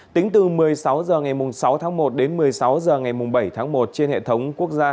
tính từ một mươi sáu h ngày sáu tháng một đến một mươi sáu h ngày bảy tháng một trên hệ thống quốc gia